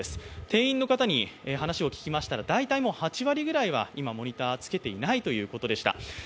店員の方に話を聞きましたら大体８割ぐらいはモニターをつけていないということでした。